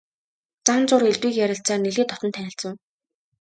Зам зуур элдвийг ярилцсаар нэлээд дотно танилцав.